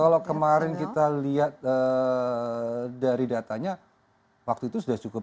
kalau kemarin kita lihat dari datanya waktu itu sudah cukup